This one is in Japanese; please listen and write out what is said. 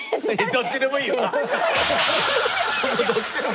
どっちでもいいでしょ！